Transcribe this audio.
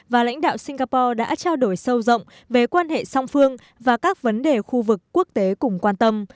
và lãnh đạo singapore đã trao đổi sâu rộng về quan hệ song phương và các vấn đề khu vực quốc tế cùng quan tâm